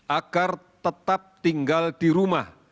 agar tetap tinggal di rumah